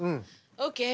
オーケー。